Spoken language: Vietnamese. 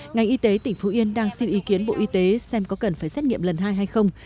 ngành y tế tỉnh phú yên đang xin ý kiến bộ y tế xem có cần phải xét nghiệm lần hai hay không